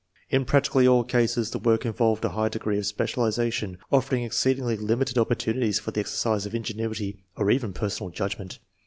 In practically all cases the work involved a high degree of specialization, "offering exceedingly limited opportunity for the exercise of ingenuity or even per sonal judgment.